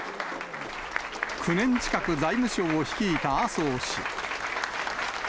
９年近く財務省を率いた麻生氏。